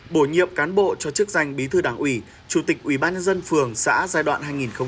bổ nhiệm cán bộ cho chức danh bí thư đảng ủy chủ tịch ủy ban nhân dân phường xã giai đoạn hai nghìn một mươi sáu hai nghìn hai mươi